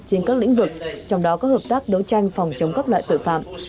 trên các lĩnh vực trong đó có hợp tác đấu tranh phòng chống các loại tội phạm